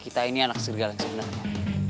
kita ini anak segala sebenarnya